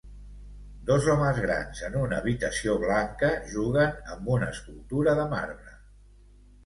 Dos homes grans, en una habitació blanca, juguen amb una escultura de marbre.